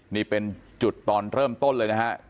นี่เป็นจุดตอนเริ่มต้นเลยนะฮะ